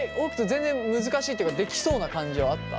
全然難しいっていうかできそうな感じはあった？